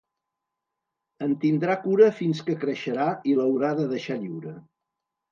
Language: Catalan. En tindrà cura fins que creixerà i l’haurà de deixar lliure.